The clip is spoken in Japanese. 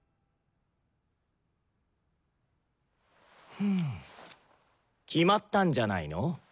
ふん決まったんじゃないの？